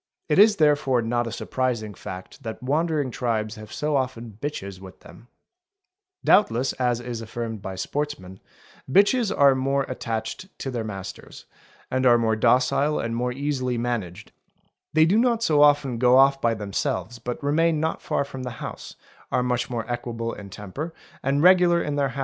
It is therefore not a surprising fact that wandering tribes have so often bitches with them; doubtless as is affirmed by sportsman, bitches are more attached to their masters, and are more docile and more easily managed; they do not so often go off by themselves but remain not far _ from the house, are much more equable in temper and regular in their i.